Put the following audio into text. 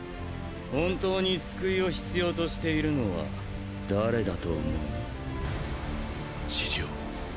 本当に救いを必要としているのは誰だと思う？指示を。